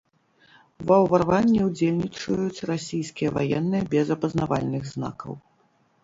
Ва ўварванні ўдзельнічаюць расійскія ваенныя без апазнавальных знакаў.